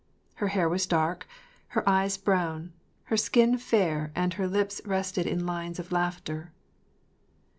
Her hair was dark, her eyes brown, her skin fair and her lips rested in lines of laughter.